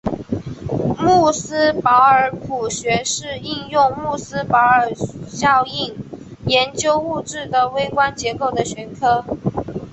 穆斯堡尔谱学是应用穆斯堡尔效应研究物质的微观结构的学科。